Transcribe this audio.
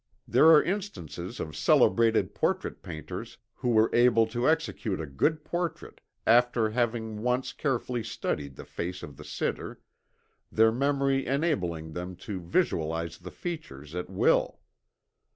There are instances of celebrated portrait painters who were able to execute a good portrait after having once carefully studied the face of the sitter, their memory enabling them to visualize the features at will.